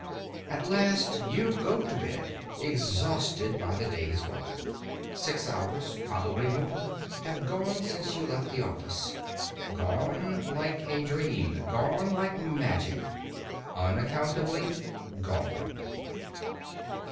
At last you go to bed, exhausted by the day's work. Six hours, probably more, have gone since you left the office gone like a dream, gone like magic, unaccountably gone!